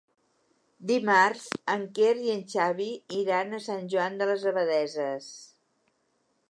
Dimarts en Quer i en Xavi iran a Sant Joan de les Abadesses.